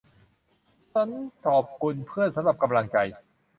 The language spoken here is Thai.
ฉันขอบคุณเพื่อนสำหรับกำลังใจ